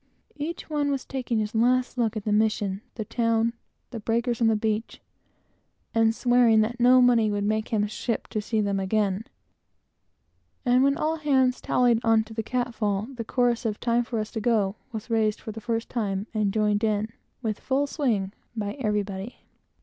Each one was taking his last look at the mission, the town, the breakers on the beach, and swearing that no money would make him ship to see them again; and when all hands tallied on to the cat fall, the chorus of "Time for us to go!" was raised for the first time, and joined in, with full swing, by everybody.